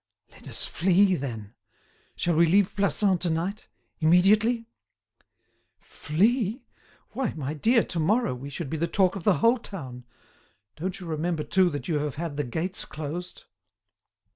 "Let us flee, then. Shall we leave Plassans to night—immediately?" "Flee! Why, my dear, to morrow we should be the talk of the whole town. Don't you remember, too, that you have had the gates closed?"